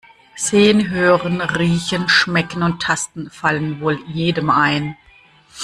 Sehen, Hören, Riechen, Schmecken und Tasten fallen wohl jedem ein.